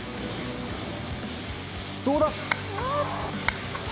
どうだ！？